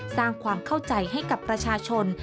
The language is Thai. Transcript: สร้างความเข้าใจให้กับประชาชน